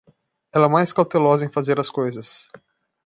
Ela é mais cautelosa em fazer as coisas.